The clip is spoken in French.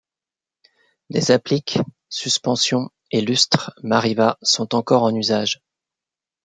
Des appliques, suspensions et lustres Mariva sont encore en usage.